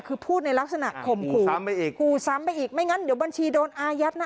คือพูดในลักษณะข่มขู่ซ้ำไปอีกขู่ซ้ำไปอีกไม่งั้นเดี๋ยวบัญชีโดนอายัดนะ